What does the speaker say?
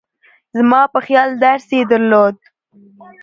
زما په خیال درس یې درلود.